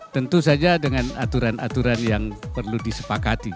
tentu saja dengan aturan aturan yang perlu disepakati